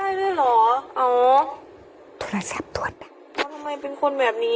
คันแล้วเราก็ไปไม่ได้เพราะคันนี้คนเดียวเอารถข้างหลัง